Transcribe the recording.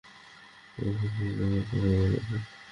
করতে হয় ম্যাডাম।